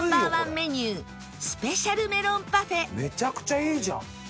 メニューめちゃくちゃいいじゃん！